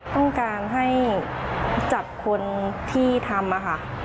ต้องการให้จับคนที่ทำค่ะ